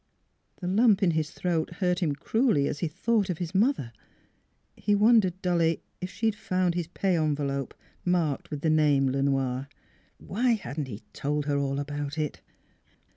The lump in his throat hurt him cruelly as he thought of his mother. He wondered dully if she had found his pay envelope, marked with the name Le Noir. Why hadn't he told her all about it?